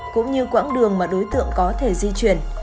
cũng như quãng đường mà đối tượng có thể di chuyển